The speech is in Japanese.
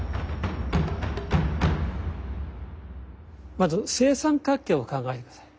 まず正三角形を考えて下さい。